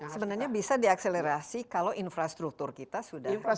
sebenarnya bisa diakselerasi kalau infrastruktur kita sudah jauh lebih